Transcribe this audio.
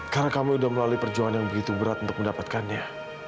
karena kamu udah melalui perjuangan yang begitu berat untuk mendapatkannya